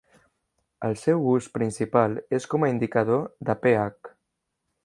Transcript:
El seu ús principal és com a indicador de pH.